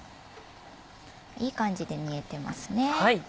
いい感じで煮えてますね。